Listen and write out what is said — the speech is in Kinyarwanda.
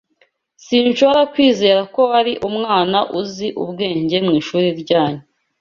Sinshobora kwizera ko wari umwana uzi ubwenge mwishuri ryanyu.